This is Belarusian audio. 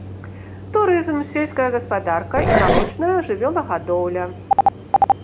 Турызм, сельская гаспадарка і малочная жывёлагадоўля.